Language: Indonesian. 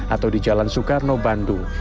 atau di jalan soekarno bandung